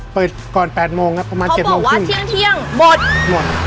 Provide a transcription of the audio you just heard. เปิดก่อนแปดโมงครับประมาณเจ็ดโมงครึ่งเขาบอกว่าเที่ยงเที่ยงหมดหมด